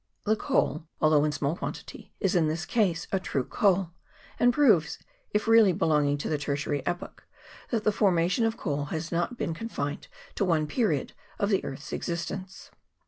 The coal, although 206 LIGNITE. [PART n. in small quantity, is in this case a true coal, and proves, if really belonging to the tertiary epoch, that the formation of coal has not been confined to one period of the earth's existence.